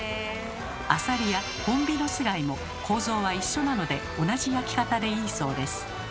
アサリやホンビノスガイも構造は一緒なので同じ焼き方でいいそうです。